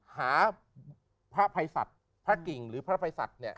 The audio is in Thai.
หาพระไพศตร์พระกิ่งหรือพะไพศตร์